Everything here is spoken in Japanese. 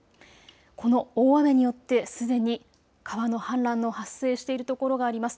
この大雨によってすでに川の氾濫の発生しているところがあります。